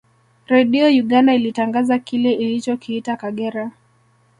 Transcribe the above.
Redio Uganda ilitangaza kile ilichokiita Kagera